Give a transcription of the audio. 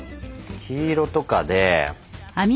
黄色とかで。